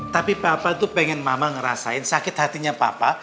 tapi bapak tuh pengen mama ngerasain sakit hatinya papa